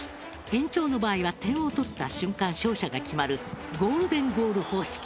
延長の場合は点を取った瞬間、勝者が決まるゴールデンゴール方式。